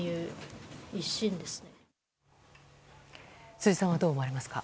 辻さんはどう思われますか？